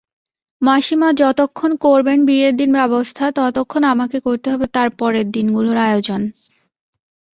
মাসিমা যতক্ষণ করবেন বিয়ের দিনের ব্যবস্থা ততক্ষণ আমাকে করতে হবে তার পরের দিনগুলোর আয়োজন।